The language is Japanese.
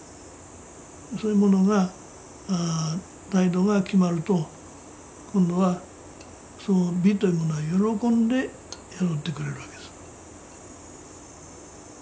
そういうものが態度が決まると今度はその美というものは喜んで宿ってくれるわけです。